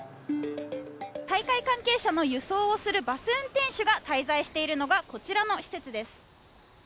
大会関係者の輸送をするバス運転手が滞在しているのがこちらの施設です。